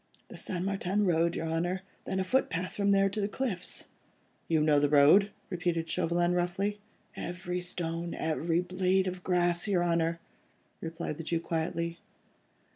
"The St. Martin Road, your Honour, then a footpath from there to the cliffs." "You know the road?" repeated Chauvelin, roughly. "Every stone, every blade of grass, your Honour," replied the Jew quietly.